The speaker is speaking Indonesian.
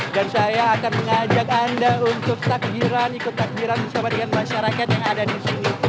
dan saya akan mengajak anda untuk takbiran ikut takbiran bersama dengan masyarakat yang ada di sini